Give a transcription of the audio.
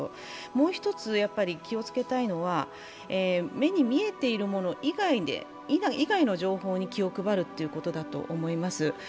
もう１つ気をつけたいのは目に見えているもの以外の情報に気を配るということだと思います。